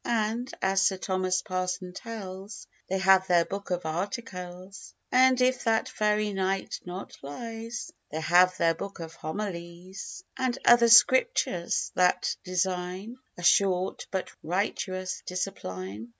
And, as Sir Thomas Parson tells, They have their book of articles; And if that Fairy knight not lies They have their book of homilies; And other Scriptures, that design A short, but righteous discipline.